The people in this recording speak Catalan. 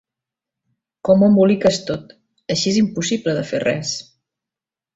Com ho emboliques tot: així és impossible de fer res!